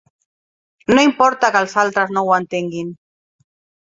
No importa que els altres no ho entenguen.